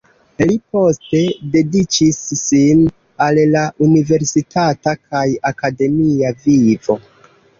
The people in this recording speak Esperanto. Li poste dediĉis sin al la universitata kaj akademia vivo.